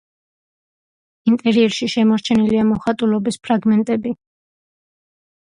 ინტერიერში შემორჩენილია მოხატულობის ფრაგმენტები.